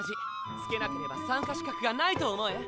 つけなければ参加資格がないと思え。